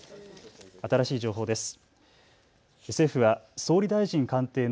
新しい情報です。